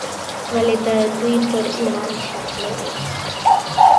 ولې د دوی پر ایمان شک لري.